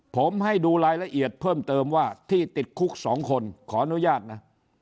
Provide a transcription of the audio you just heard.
ผมให้ดูรายละเอียดเพิ่มเติมว่าที่ติดคุก๒คนขออนุญาตนะ